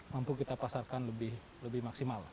mampu kita pasarkan lebih maksimal